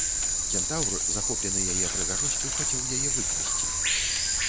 Кентаўр, захоплены яе прыгажосцю, хацеў яе выкрасці.